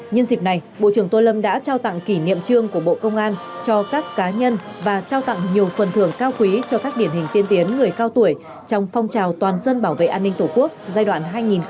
nhân dịp này bộ trưởng tô lâm đã trao tặng kỷ niệm trương của bộ công an cho các cá nhân và trao tặng nhiều phần thưởng cao quý cho các điển hình tiên tiến người cao tuổi trong phong trào toàn dân bảo vệ an ninh tổ quốc giai đoạn hai nghìn một mươi chín hai nghìn hai mươi bốn